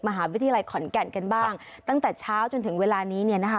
มหาวิทยาลัยขอนแก่นกันบ้างตั้งแต่เช้าจนถึงเวลานี้เนี่ยนะคะ